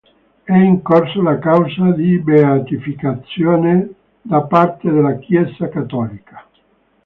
È in corso la causa di beatificazione da parte della Chiesa cattolica.